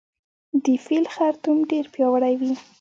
د پیل خرطوم ډیر پیاوړی وي